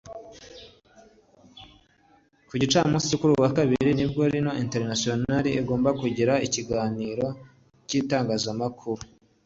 Ku gicamunsi cyo kuri uyu wa Kabiri nibwo Lino International igomba kugira ikiganiro n’itangazamakuru rikabahata ibibazo